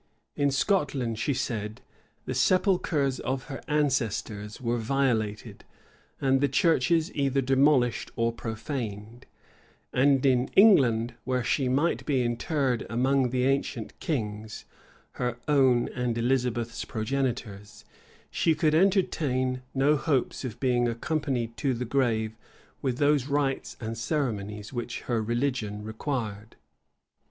In Scotland, she said, the sepulchres of her ancestors were violated, and the churches either demolished or profaned; and in England, where she might be interred among the ancient kings, her own and Elizabeth's progenitors, she could entertain no hopes of being accompanied to the grave with those rites and ceremonies which her religion required.